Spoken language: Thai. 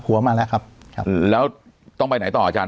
หัวมาแล้วครับครับแล้วต้องไปไหนต่ออาจารย